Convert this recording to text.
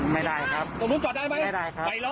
ไม่ล็อคนะเป็นเรื่องคนอยู่หลังรถมาล็อคได้เลย